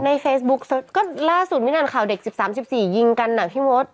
ในเฟซบุ๊กก็ล่าสุดไม่นานข่าวเด็ก๑๓๑๔ยิงกันหนักพี่มด